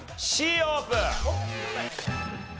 Ｃオープン。